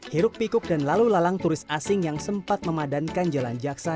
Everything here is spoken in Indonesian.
hiruk pikuk dan lalu lalang turis asing yang sempat memadankan jalan jaksa